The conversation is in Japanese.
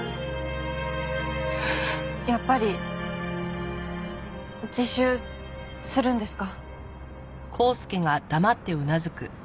やっぱり自首するんですか？